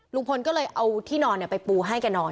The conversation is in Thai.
ลุงพลก็เลยเอาที่นอนไปปูให้แกนอน